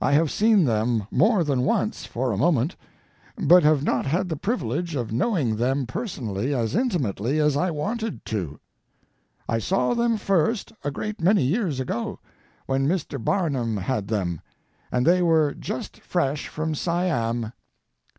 I have seen them more than once for a moment, but have not had the privilege of knowing them personally as intimately as I wanted to. I saw them first, a great many years ago, when Mr. Barnum had them, and they were just fresh from Siam.